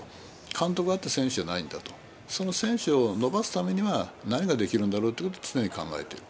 監督があって選手じゃないんだと、その選手を伸ばすためには、何ができるんだろうということを常に考えてる。